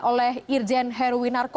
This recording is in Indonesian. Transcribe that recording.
oleh irjen heruwinarko